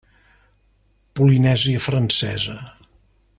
Polinèsia Francesa.